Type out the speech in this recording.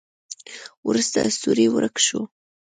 وروسته ستوری ورک شو.